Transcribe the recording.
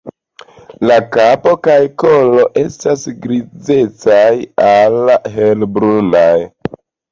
La kapo kaj kolo estas grizecaj al helbrunaj.